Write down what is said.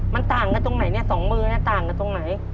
มันต่างกันตรงไหนเนี่ย๒มือต่างกันตรงไหน